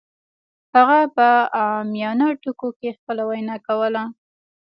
هغه په عامیانه ټکو کې خپله وینا کوله